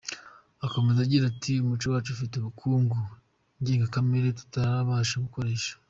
Akomeza agira ati “ Umuco wacu ufite ubukungu ndengakamere tutarabasha gukoresha.